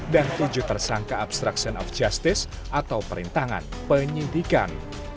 dan tujuh tersangka obstruction of justice atau perintangan penyidikan